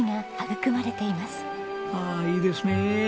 ああいいですね。